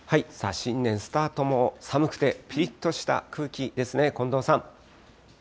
新年スタートも、寒くてぴりっとした空気ですね、近藤さん。